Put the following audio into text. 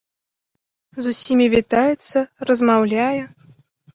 З усімі вітаецца, размаўляе.